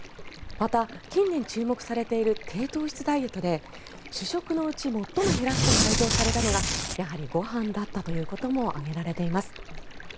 また、近年注目されている低糖質ダイエットで主食のうち最も減らすと回答されたのがやはりご飯だったということも挙げられています。